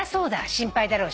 心配だろうし」